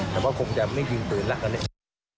แต่ว่าคงจะไม่ยิงปืนแล้วตอนนี้